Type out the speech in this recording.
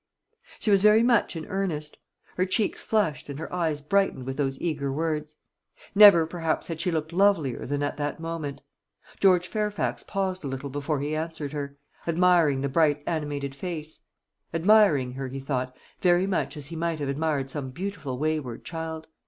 She was very much in earnest. Her cheeks flushed and her eyes brightened with those eager words. Never perhaps had she looked lovelier than at that moment. George Fairfax paused a little before he answered her, admiring the bright animated face; admiring her, he thought, very much as he might have admired some beautiful wayward child.